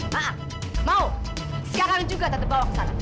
maaf mau sekarang juga tante bawa ke sana mau